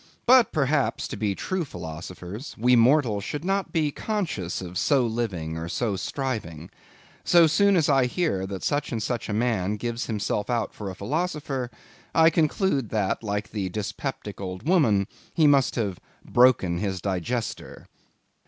But, perhaps, to be true philosophers, we mortals should not be conscious of so living or so striving. So soon as I hear that such or such a man gives himself out for a philosopher, I conclude that, like the dyspeptic old woman, he must have "broken his digester."